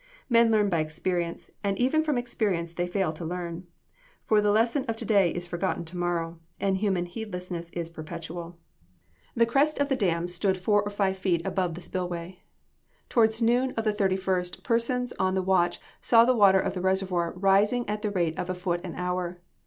Men learn by experience, and even from experience they fail to learn; for the lesson of to day is forgotten to morrow: and human heedlessness is perpetual. The crest of the dam stood four or five feet above the spill way. Towards noon of the 31st, persons on the watch saw the water of the reservoir rising at the rate of a foot an hour.